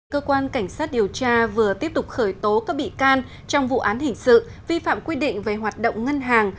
cơ quan cảnh sát điều tra vừa tiếp tục khởi tố các bị can trong vụ án hình sự vi phạm quy định về hoạt động ngân hàng